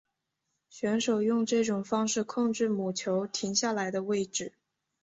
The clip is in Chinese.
选手用这种方式控制母球停下来的位置。